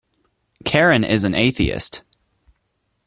Karen is an atheist.